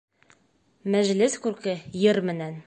Мәжлес күрке йыр менән.